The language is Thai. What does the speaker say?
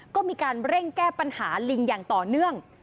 ก็มีการเร่งแก้ปัญหาลิงอย่างต่อเนื่อง